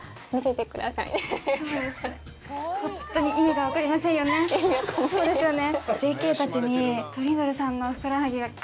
本当に意味が分かりませんよね。